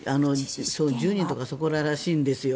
１０人とかそこららしいんですよ。